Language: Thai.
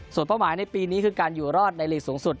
ส่วนเป้าหมายในปีนี้คือการอยู่รอดในหลีกสูงสุด